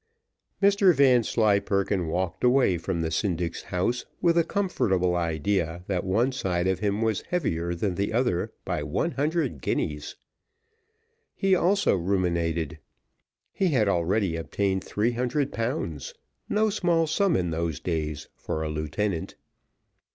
Mr Vanslyperken walked away from the syndic's house with the comfortable idea that one side of him was heavier than the other by one hundred guineas. He also ruminated; he had already obtained three hundred pounds, no small sum, in those days, for a lieutenant.